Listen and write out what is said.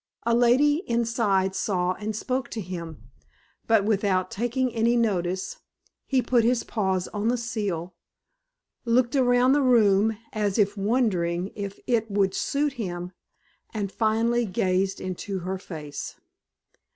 A lady sitting inside saw and spoke to him; but without taking any notice, he put his paws on the sill, looked around the room as if wondering if it would suit him, and finally gazed into her face.